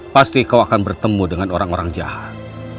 pasti kau akan bertemu dengan orang orang jahat